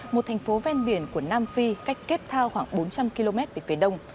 một thành phố ven biển của nam phi cách kép thao khoảng bốn trăm linh km về phía đông